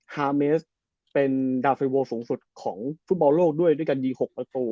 ฮาเมสเป็นดาเฟโวสูงสุดของฟุตบอลโลกด้วยด้วยการยิง๖ประตู